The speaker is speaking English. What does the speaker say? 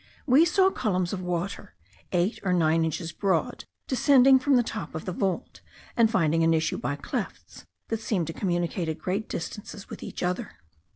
We saw columns of water, eight or nine inches broad, descending from the top of the vault, and finding an issue by clefts, that seemed to communicate at great distances with each other.